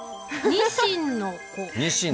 ニシンの子。